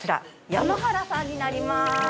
山はらさんになります。